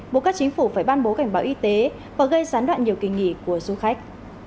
bộ các chính phủ phải ban bố cảnh báo y tế và gây gián đoạn nhiều kỳ nghỉ của du khách